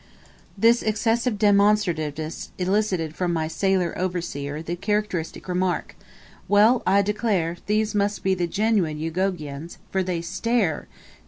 This excessive demonstrativeness elicited from my sailor overseer the characteristic remark, "Well, I declare, these must be the genuine Ugogians, for they stare!